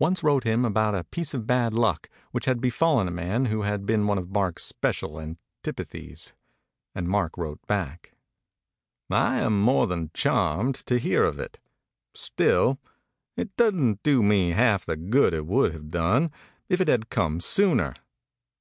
once wrote him about a piece of bad luck which had befallen a man who had been one of Mark's special antipathies; and /k wrote back: I am more than charmed to hear of it ; still, it d do me half the good it would have done if it had come sooner.